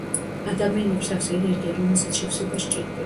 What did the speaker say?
ადამიანებს აქვთ ენერგია რომელსაც შევსება სჭირდება